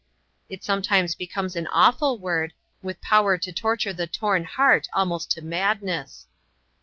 It sometimes becomes an awful word, with power to torture the torn heart almost to madness.